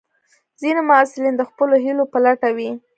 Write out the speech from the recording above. ځینې محصلین د خپلو هیلو په لټه وي.